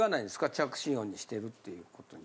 着信音にしてるっていうことには？